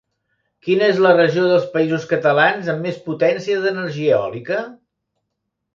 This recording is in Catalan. Quina és la regió dels Països Catalans amb més potència d'energia eòlica?